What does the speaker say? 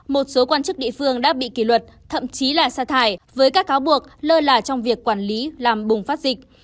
một số quan chức địa phương đã bị kỷ luật thậm chí là xa thải với các cáo buộc lơ là trong việc quản lý làm bùng phát dịch